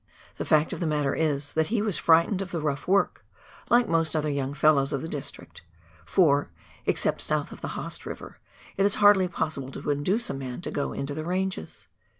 The fact of the matter is, that he was frightened of the rough work, like most other young fellows of the district, for, except south of the Haast River, it is hardly possible to induce a man to go into the ranges.